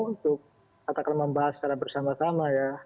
untuk katakanlah membahas secara bersama sama ya